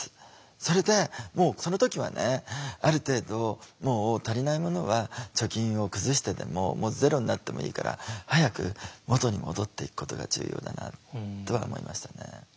それでもうその時はねある程度もう足りないものは貯金を崩してでももうゼロになってもいいから早く元に戻っていくことが重要だなとは思いましたね。